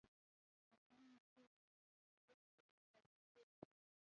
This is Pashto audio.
که څه هم چې ستا مخالف او د مقابل لوري وي.